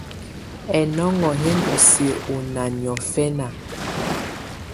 Ɛnɔŋɔ́ yɛ́ ndɔ́ siǝ́ ɔ́ nɑ́á niɔ̀fɛna.